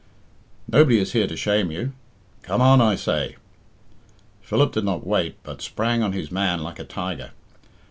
"Nobody is here to shame you." "Come on, I say." Philip did not wait, but sprang on his man like a tiger.